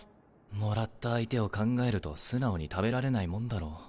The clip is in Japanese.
もらった相手を考えると素直に食べられないもんだろ。